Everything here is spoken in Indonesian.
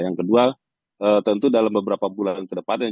yang kedua tentu dalam beberapa bulan ke depannya